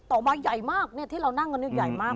ต่อมาใหญ่มากที่เรานั่งกันใหญ่มาก